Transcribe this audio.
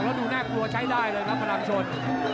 แล้วดูน่ากลัวใช้ได้เลยครับพลังชน